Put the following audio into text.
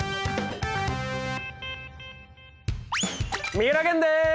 三浦玄です。